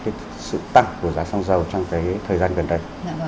cái sự tăng của giá xăng dầu trong cái thời gian gần đây